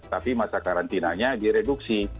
tapi masa karantinanya direduksi